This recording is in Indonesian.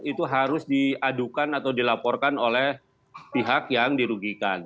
itu harus diadukan atau dilaporkan oleh pihak yang dirugikan